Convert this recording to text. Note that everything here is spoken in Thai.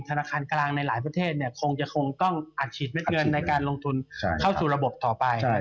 ธนาคารกลางในหลายประเทศคงจะคงต้องอัดฉีดเม็ดเงินในการลงทุนเข้าสู่ระบบต่อไป